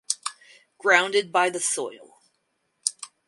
Grounded by the soil.